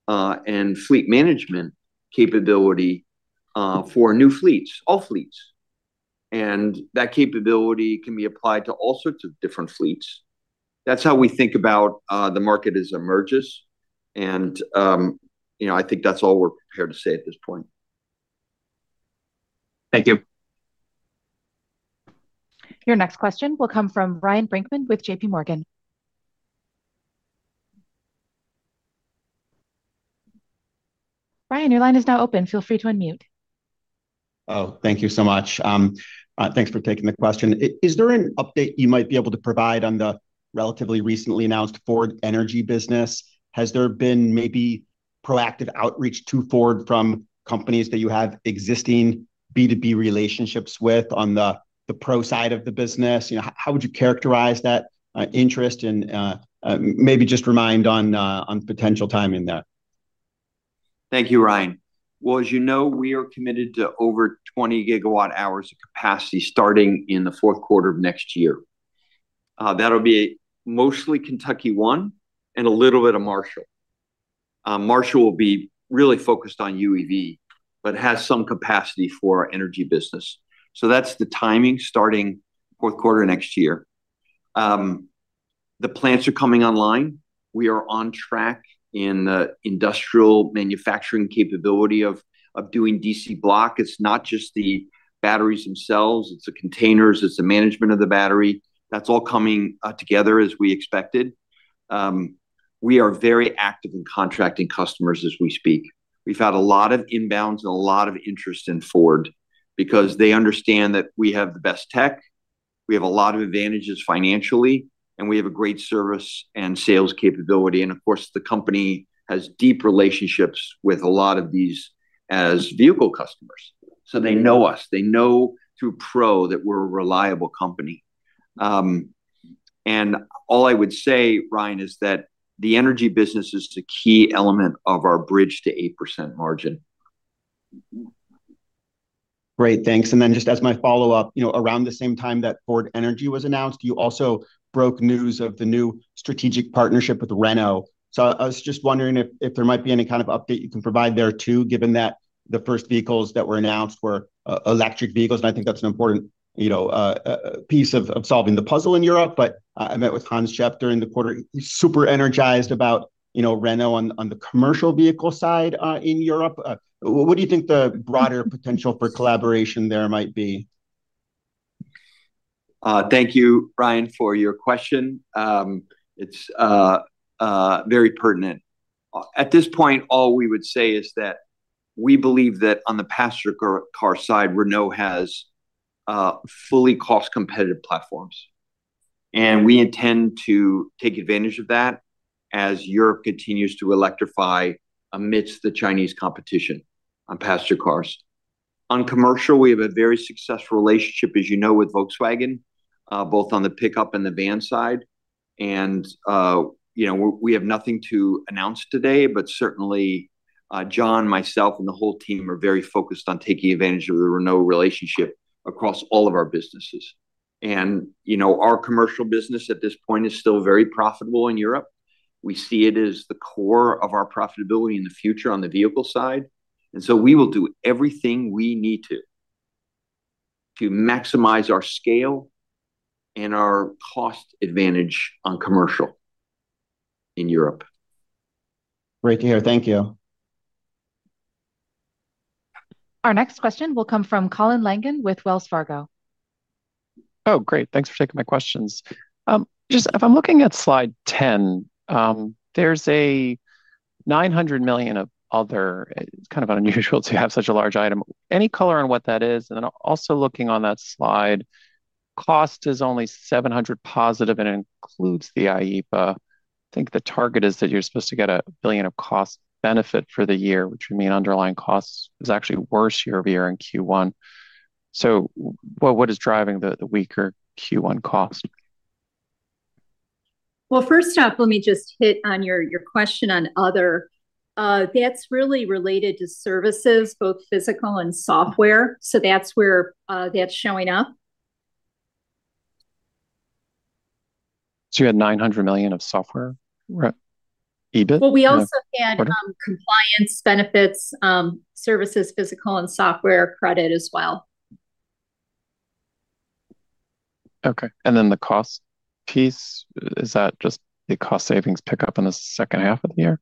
and fleet management capability for new fleets, all fleets. That capability can be applied to all sorts of different fleets. That's how we think about the market as it emerges. You know, I think that's all we're prepared to say at this point. Thank you. Your next question will come from Ryan Brinkman with JPMorgan. Ryan, your line is now open. Feel free to unmute. Thank you so much. Thanks for taking the question. Is there an update you might be able to provide on the relatively recently announced Ford Energy business? Has there been maybe proactive outreach to Ford from companies that you have existing B2B relationships with on the Pro side of the business? You know, how would you characterize that interest and maybe just remind on potential timing there. Thank you, Ryan. Well, as you know, we are committed to over 20 GWh of capacity starting in the fourth quarter of next year. That'll be mostly Kentucky One and a little bit of Marshall. Marshall will be really focused on UEV, but has some capacity for our energy business. That's the timing, starting fourth quarter next year. The plants are coming online. We are on track in the industrial manufacturing capability of doing DC block. It's not just the batteries themselves, it's the containers, it's the management of the battery. That's all coming together as we expected. We are very active in contracting customers as we speak. We've had a lot of inbounds and a lot of interest in Ford because they understand that we have the best tech, we have a lot of advantages financially, and we have a great service and sales capability. Of course, the company has deep relationships with a lot of these as vehicle customers. They know us. They know through Pro that we're a reliable company. All I would say, Ryan, is that the energy business is the key element of our bridge to 8% margin. Great. Thanks. Then just as my follow-up, you know, around the same time that Ford Energy was announced, you also broke news of the new strategic partnership with Renault. I was just wondering if there might be any kind of update you can provide there too, given that the first vehicles that were announced were electric vehicles, and I think that's an important, you know, piece of solving the puzzle in Europe. I met with Hans Schep during the quarter. He's super energized about, you know, Renault on the commercial vehicle side in Europe. What do you think the broader potential for collaboration there might be? Thank you, Ryan, for your question. It's very pertinent. At this point, all we would say is that we believe that on the passenger car side, Renault has fully cost competitive platforms. We intend to take advantage of that as Europe continues to electrify amidst the Chinese competition on passenger cars. On commercial, we have a very successful relationship, as you know, with Volkswagen, both on the pickup and the van side. You know, we have nothing to announce today, but certainly, John, myself, and the whole team are very focused on taking advantage of the Renault relationship across all of our businesses. You know, our commercial business at this point is still very profitable in Europe. We see it as the core of our profitability in the future on the vehicle side. We will do everything we need to to maximize our scale and our cost advantage on commercial in Europe. Great to hear. Thank you. Our next question will come from Colin Langan with Wells Fargo. Great. Thanks for taking my questions. Just if I'm looking at slide 10, there's $900 million of other. It's kind of unusual to have such a large item. Any color on what that is? Then also looking on that slide, cost is only $700 million positive, and it includes the IEEPA. I think the target is that you're supposed to get $1 billion of cost benefit for the year, which would mean underlying costs is actually worse year-over-year in Q1. What is driving the weaker Q1 cost? Well, first off, let me just hit on your question on other. That's really related to services, both physical and software. That's where that's showing up. You had $900 million of software, right? EBIT? Well, we also had— Okay. Got it. —compliance benefits, services, physical and software credit as well. Okay. Then the cost piece, is that just the cost savings pickup in the second half of the year?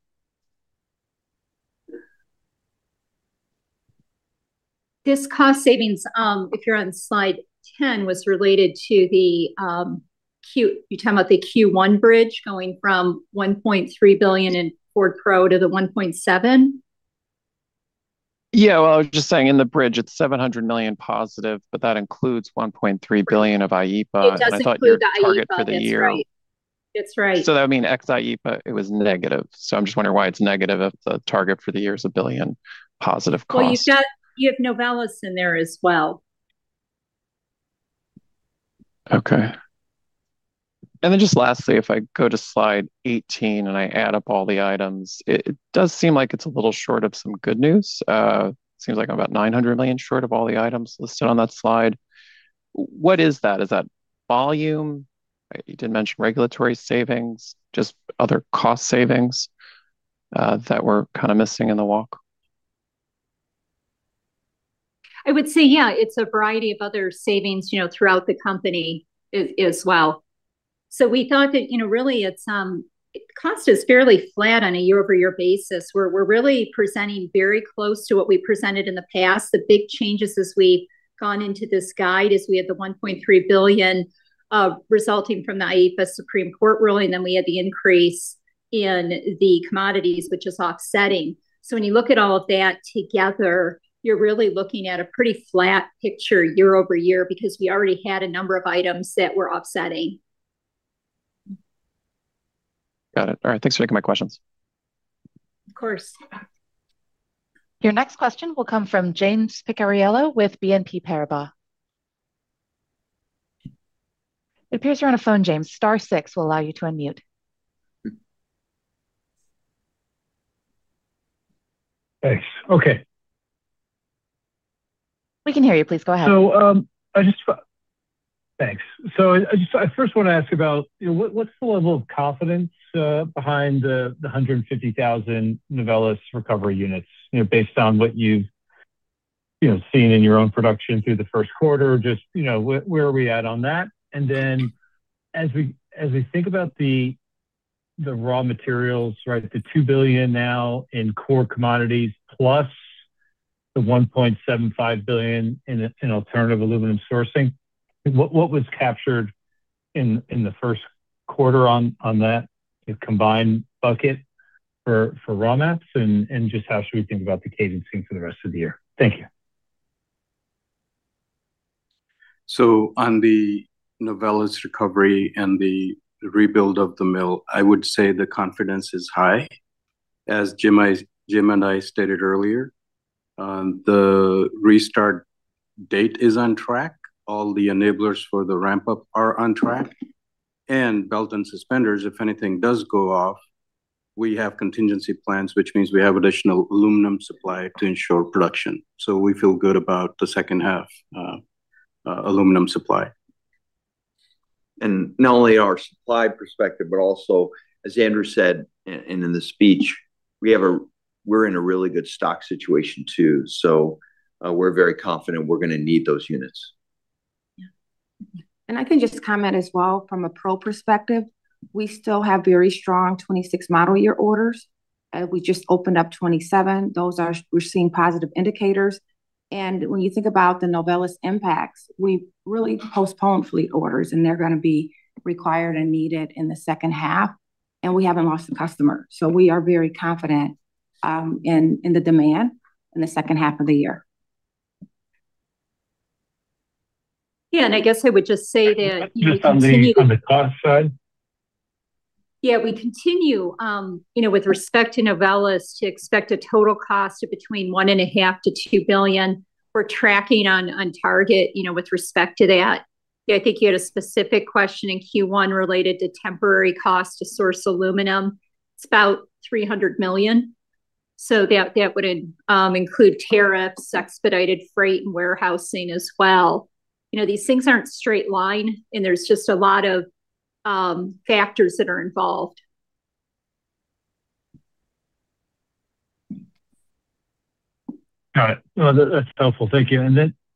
This cost savings, if you're on slide 10, was related to the Q1 bridge going from $1.3 billion in Ford Pro to the $1.7 billion? Yeah. Well, I was just saying in the bridge it's $700 million positive, but that includes $1.3 billion of IEEPA. It doesn't include the IEEPA. I thought your target for the year. That's right. That's right. That would mean ex IEEPA it was negative. I'm just wondering why it's negative if the target for the year is $1 billion positive cost. Well, you have Novelis in there as well. Okay. Just lastly, if I go to slide 18 and I add up all the items, it does seem like it's a little short of some good news. Seems like about $900 million short of all the items listed on that slide. What is that? Is that volume? You did mention regulatory savings. Just other cost savings that we're kind of missing in the walk? I would say yeah, it's a variety of other savings, you know, throughout the company as well. We thought that, you know, really it's, cost is fairly flat on a year-over-year basis. We're really presenting very close to what we presented in the past. The big changes as we've gone into this guide is we had the $1.3 billion resulting from the IEEPA Supreme Court ruling, then we had the increase in the commodities, which is offsetting. When you look at all of that together, you're really looking at a pretty flat picture year-over-year because we already had a number of items that were offsetting. Got it. All right. Thanks for taking my questions. Of course. Your next question will come from James Picariello with BNP Paribas. It appears you are on a phone, James. Star six will allow you to unmute. Thanks. Okay. We can hear you. Please go ahead. thanks. I first want to ask about, you know, what's the level of confidence behind the 150,000 Novelis recovery units? You know, based on what you've, you know, seen in your own production through the first quarter. Just, you know, where are we at on that? As we think about the raw materials, right, the $2 billion now in core commodities plus the $1.75 billion in alternative aluminum sourcing, what was captured in the first quarter on that combined bucket for raw mats? Just how should we think about the cadencing for the rest of the year? Thank you. On the Novelis recovery and the rebuild of the mill, I would say the confidence is high. As Jim and I stated earlier, the restart date is on track. All the enablers for the ramp up are on track. Belt and suspenders, if anything does go off, we have contingency plans, which means we have additional aluminum supply to ensure production. We feel good about the second half aluminum supply. Not only our supply perspective, but also, as Andrew said in the speech, we're in a really good stock situation too. We're very confident we're gonna need those units. Yeah. I can just comment as well from a Pro perspective. We still have very strong 2026 model year orders. We just opened up 2027. We're seeing positive indicators. When you think about the Novelis impacts, we really postponed fleet orders, and they're going to be required and needed in the second half, and we haven't lost a customer. We are very confident in the demand in the second half of the year. Yeah, I guess I would just say that we continue— Just on the cost side? We continue, you know, with respect to Novelis, to expect a total cost of between $1.5 billion-$2 billion. We're tracking on target, you know, with respect to that. I think you had a specific question in Q1 related to temporary cost to source aluminum. It's about $300 million, so that would include tariffs, expedited freight, and warehousing as well. You know, these things aren't straight line, and there's just a lot of factors that are involved. All right. No, that's helpful. Thank you.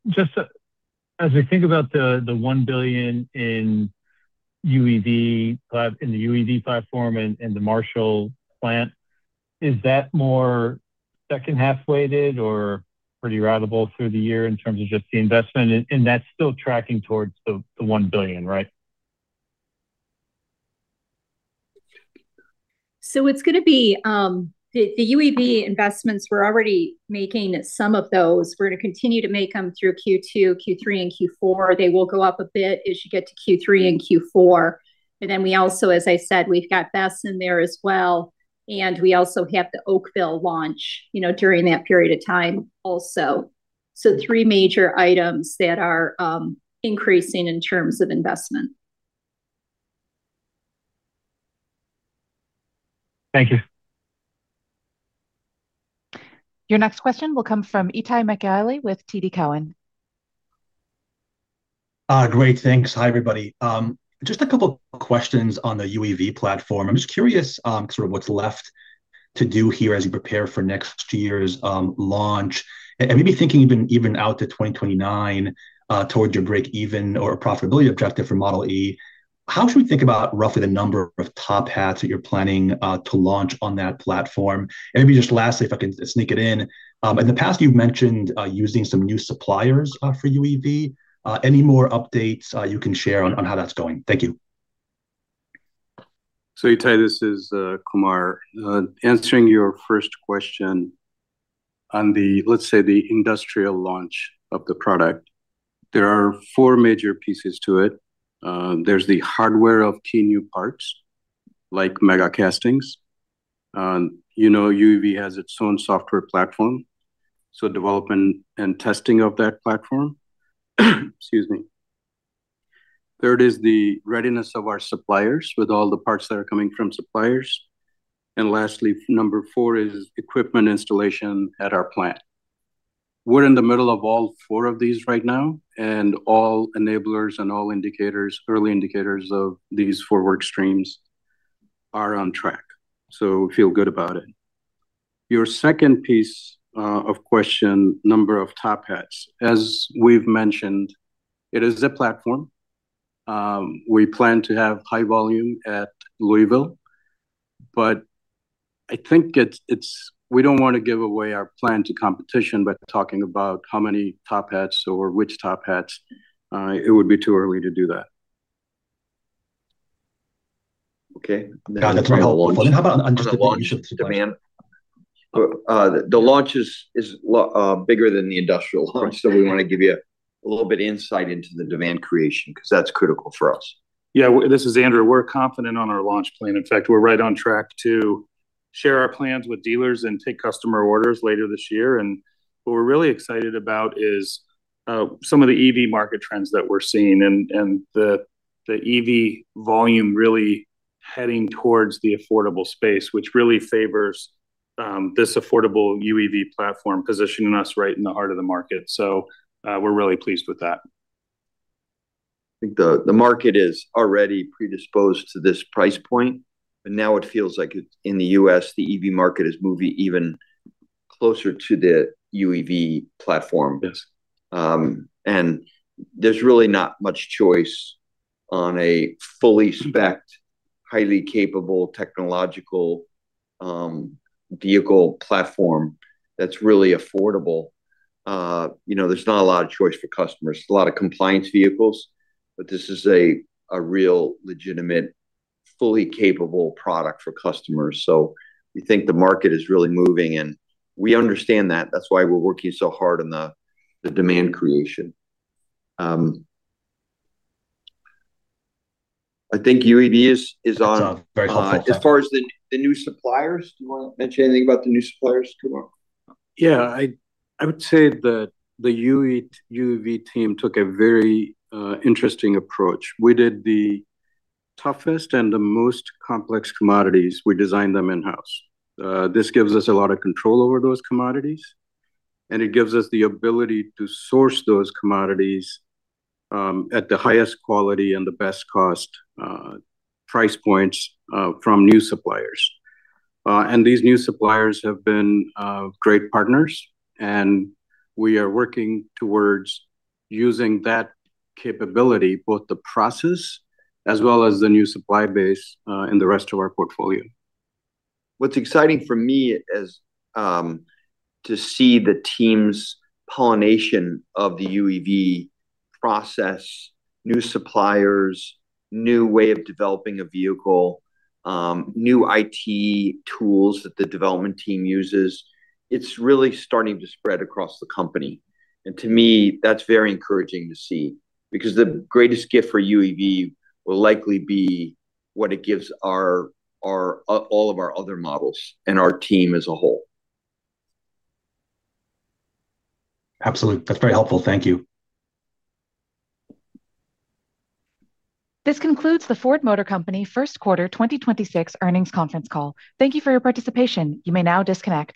Just as we think about the $1 billion in UEV platform and the Marshall plant, is that more second half weighted or pretty ratable through the year in terms of just the investment? That's still tracking towards the $1 billion, right? It's gonna be the UEV investments we're already making some of those. We're gonna continue to make them through Q2, Q3, and Q4. They will go up a bit as you get to Q3 and Q4. We also, as I said, we've got BESS in there as well, and we also have the Oakville launch, you know, during that period of time also. Three major items that are increasing in terms of investment. Thank you. Your next question will come from Itay Michaeli with TD Cowen. Great, thanks. Hi, everybody. Just a couple questions on the UEV platform. I'm just curious, sort of what's left to do here as you prepare for next year's launch and maybe thinking even out to 2029, towards your breakeven or profitability objective for Model e. How should we think about roughly the number of top hats that you're planning to launch on that platform? Maybe just lastly, if I can sneak it in the past you've mentioned using some new suppliers for UEV. Any more updates you can share on how that's going? Thank you. Itay, this is Kumar. Answering your first question on the, let's say, the industrial launch of the product, there are four major pieces to it. There's the hardware of key new parts, like mega castings. You know, UEV has its own software platform, so development and testing of that platform. Third is the readiness of our suppliers with all the parts that are coming from suppliers. Lastly, number four is equipment installation at our plant. We're in the middle of all four of these right now, and all enablers and all indicators, early indicators of these four work streams are on track. We feel good about it. Your second piece of question, number of top hats. As we've mentioned, it is a platform. We plan to have high volume at Louisville, but I think We don't want to give away our plan to competition by talking about how many top hats or which top hats. It would be too early to do that. Okay? Got it. That's very helpful. How about on just the launch of demand? The launch is bigger than the industrial launch, so we want to give you a little bit of insight into the demand creation, 'cause that's critical for us. Yeah. This is Andrew. We're confident on our launch plan. In fact, we're right on track to share our plans with dealers and take customer orders later this year. What we're really excited about is some of the EV market trends that we're seeing and the EV volume really heading towards the affordable space, which really favors this affordable UEV platform, positioning us right in the heart of the market. We're really pleased with that. I think the market is already predisposed to this price point, but now it feels like it, in the U.S., the EV market is moving even closer to the UEV platform. Yes. There's really not much choice on a fully specced, highly capable technological vehicle platform that's really affordable. You know, there's not a lot of choice for customers. There's a lot of compliance vehicles, but this is a real legitimate, fully capable product for customers. We think the market is really moving, and we understand that. That's why we're working so hard on the demand creation. I think UEV is on— That's very helpful. Thank you. As far as the new suppliers, do you want to mention anything about the new suppliers, Kumar? Yeah. I would say that the UEV team took a very interesting approach. We did the toughest and the most complex commodities, we designed them in-house. This gives us a lot of control over those commodities, and it gives us the ability to source those commodities at the highest quality and the best cost price points from new suppliers. These new suppliers have been great partners, and we are working towards using that capability, both the process as well as the new supply base in the rest of our portfolio. What's exciting for me is to see the team's pollination of the UEV process, new suppliers, new way of developing a vehicle, new IT tools that the development team uses. It's really starting to spread across the company. To me, that's very encouraging to see, because the greatest gift for UEV will likely be what it gives all of our other models and our team as a whole. Absolutely. That's very helpful. Thank you. This concludes the Ford Motor Company first quarter 2026 earnings conference call. Thank you for your participation. You may now disconnect.